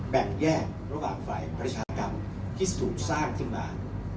แบ่งแยกระหว่างฝ่ายประชากรรมที่ถูกสร้างขึ้นมา